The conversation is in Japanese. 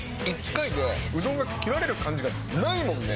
１回でうどんが切られる感じがないもんね。